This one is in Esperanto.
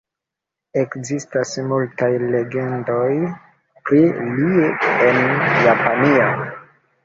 Ekzistas multaj legendoj pri li en Japanio.